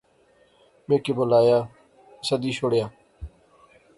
میں کی بولایا، سدی شوڑیا